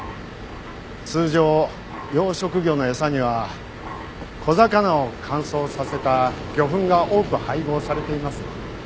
通常養殖魚の餌には小魚を乾燥させた魚粉が多く配合されています。